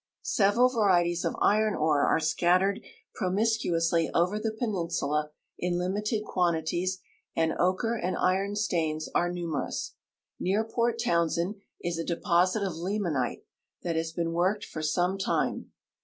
ScA^eral A'arieties of iron ore are scattered promiscuously OA^er the peninsula in limited quantities, and ocher and iron stains are numerous. Near Port ToAvnsend is a deposit of limonite that has been Avorked for some time.